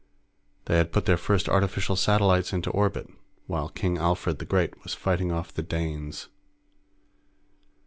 They had put their first artificial satellites into orbit while King Alfred the Great was fighting off the Danes.